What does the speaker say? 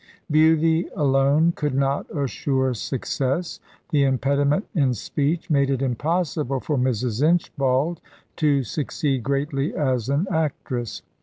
Beauty alone could not assure success. The impediment in speech made it impossible for Mrs. Inchbald to succeed greatly as an actress.